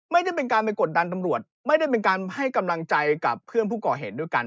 ไม่ได้เป็นการไปกดดันตำรวจไม่ได้เป็นการให้กำลังใจกับเพื่อนผู้ก่อเหตุด้วยกัน